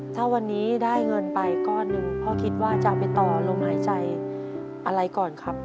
ถ้าวันนี้ได้เงินไปก้อนหนึ่งพ่อคิดว่าจะไปต่อลมหายใจอะไรก่อนครับ